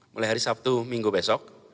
mulai hari sabtu minggu besok